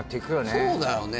そうだよね